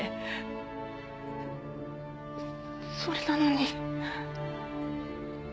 それなのに。